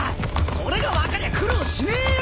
それが分かりゃ苦労しねえよ！